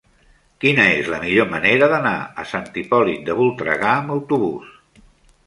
Quina és la millor manera d'anar a Sant Hipòlit de Voltregà amb autobús?